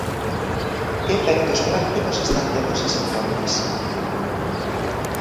¿Que efectos prácticos están tendo eses informes?